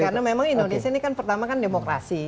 karena memang indonesia ini kan pertama kan demokrasi